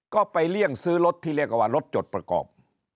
ก็ไปเลี่ยงซื้อรถที่เรียกว่ารถจดประกอบ